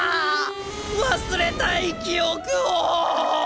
忘れたい記憶を！